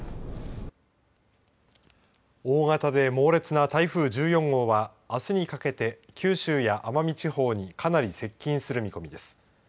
大型で猛烈な台風１４号はあすにかけて九州や奄美地方にかなり接近する見込みです。